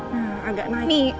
nah agak naik